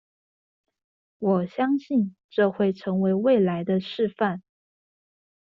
我相信這會成為未來的示範